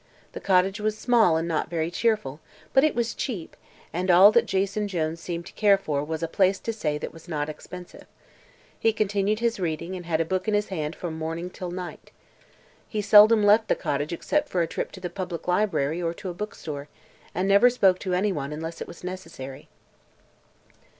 The cottage was small and not very cheerful, but it was cheap, and all that Jason Jones seemed to care for was a place to stay that was not expensive. He continued his reading and had a book in his hand from morning till night. He seldom left the cottage except for a trip to the public library or to a book store, and never spoke to anyone unless it was necessary.